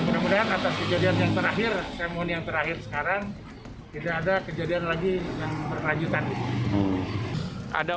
mudah mudahan atas kejadian yang terakhir saya mohon yang terakhir sekarang tidak ada kejadian lagi yang berkelanjutan